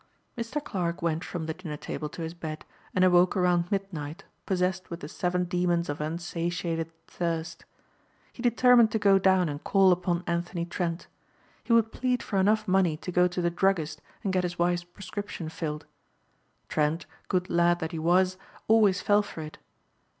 Mr. Clarke went from the dinner table to his bed and awoke around midnight possessed with the seven demons of unsatiated thirst. He determined to go down and call upon Anthony Trent. He would plead for enough money to go to the druggist and get his wife's prescription filled. Trent, good lad that he was, always fell for it.